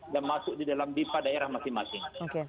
dan masuk di dalam bipa daerah masing masing